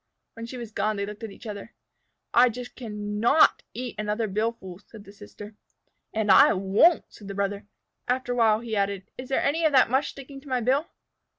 When she was gone they looked at each other. "I just can not eat another billful," said the sister. "And I won't!" said the brother. After a while he added, "Is there any of that mush sticking to my bill?"